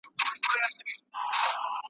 یا وینه ژاړي یا مینه